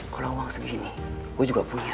kurang uang segini gue juga punya